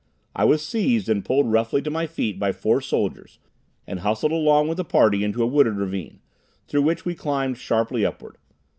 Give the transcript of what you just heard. I was seized and pulled roughly to my feet by four soldiers, and hustled along with the party into a wooded ravine, through which we climbed sharply upward.